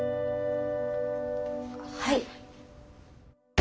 はい。